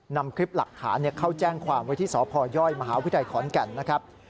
นำคลิปหลักฐานเข้าแจ้งความไว้ที่สพยมหาวิทยาลัยขอนแก่นนะครับ